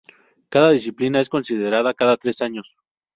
Cada disciplina es considerada cada tres años.